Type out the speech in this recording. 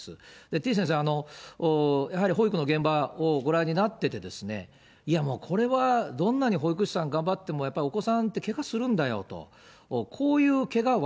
てぃ先生、やはり保育の現場をご覧になっててですね、いやもう、これはどんなに保育士さん頑張っても、やっぱりお子さんってけがするんだよと、こういうけがは、